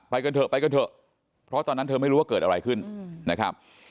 กันเถอะไปกันเถอะเพราะตอนนั้นเธอไม่รู้ว่าเกิดอะไรขึ้นนะครับ